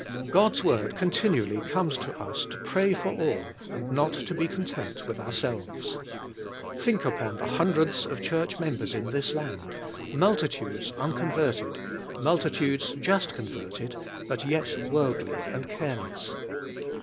God's word continually comes to us to pray for all and not to be content with ourselves. Think THE SO URCE OE PO WER m PR A YER 1 (55 upon the hundreds of cliurch members in this hmd, multitudes unconverted, multitudes just converted, but yet'worldly and careless.